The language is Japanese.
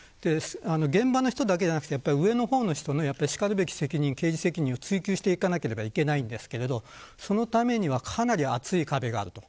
現場の人だけではなく上の人たちの然るべき刑事責任を追求していかないといけないのですがそのためにはかなり厚い壁があります。